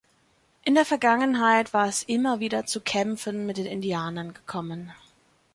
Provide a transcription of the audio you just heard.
In der Vergangenheit war es immer wieder zu Kämpfen mit den Indianern gekommen.